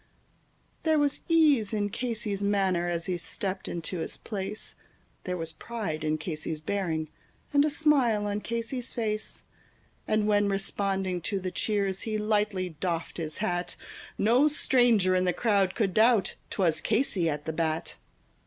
There was ease in Casey's manner as he stepped into his place, There was pride in Casey's bearing, and a smile on Casey's face; And when, responding to the cheers, he lightly doffed his hat, No stranger in the crowd could doubt 'twas Casey at the bat.